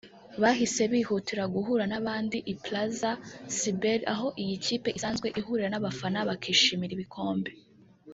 bahise bihutira guhura n’abandi i Plaza Cibeles aho iyi kipe isanzwe ihurira n’abafana bakishimira ibikombe